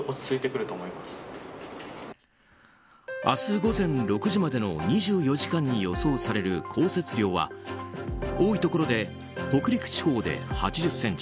明日午前６時までの２４時間に予想される降雪量は多いところで北陸地方で８０ｃｍ